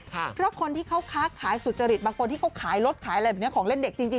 เพราะคนที่เขาค้าขายสุจริตบางคนที่เขาขายรถขายอะไรแบบนี้ของเล่นเด็กจริง